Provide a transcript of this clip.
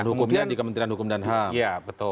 kemudian di kementerian hukum dan hak